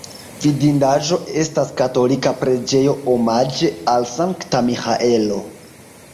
Vidindaĵo estas katolika preĝejo omaĝe al Sankta Miĥaelo.